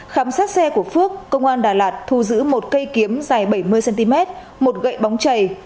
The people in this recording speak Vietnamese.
khám xét xe của phước công an đà lạt thu giữ một cây kiếm dài bảy mươi cm một gậy bóng chảy